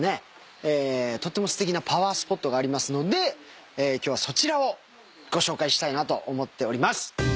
とってもすてきなパワースポットがありますので今日はそちらをご紹介したいなと思っております。